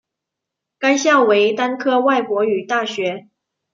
该校为单科外国语大学。